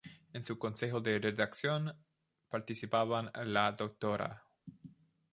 En su consejo de redacción participaban la Dra.